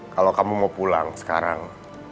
kalau kamu mau pulang sekarang